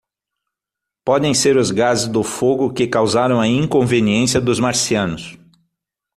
Podem ser os gases do fogo que causaram a inconveniência dos marcianos.